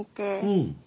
うん。